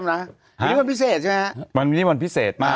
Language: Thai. วันนี้วันพิเศษใช่ไหมฮะวันนี้วันพิเศษมาก